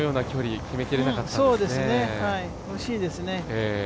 惜しいですね。